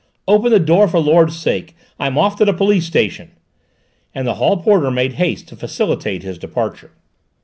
"Open the door for the Lord's sake! I'm off to the police station," and the hall porter made haste to facilitate his departure.